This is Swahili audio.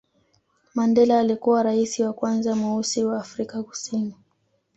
mandela alikuwa raisi wa kwanza mweusi wa afrika kusini